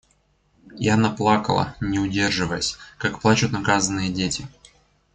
И она плакала, не удерживаясь, как плачут наказанные дети.